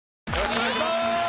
お願いしまーす！